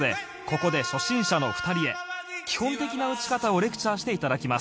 ここで初心者の２人へ基本的な打ち方をレクチャーしていただきます